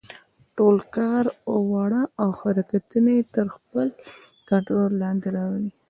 ټول کړه وړه او حرکتونه يې تر خپل کنټرول لاندې راولي.